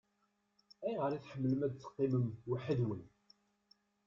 Ayɣer i tḥemmlem ad teqqimem weḥd-nwen?